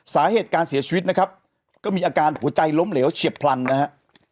สาเหตุการเสียชีวิตนะครับก็มีอาการหัวใจล้มเหลวเฉียบพลันนะฮะ